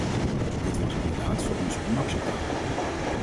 Dit was inderdaad voor ons onacceptabel.